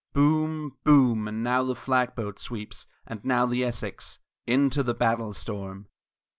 Boom! Boom! and now the flag boat sweeps, and now the Essex, Into the battle storm!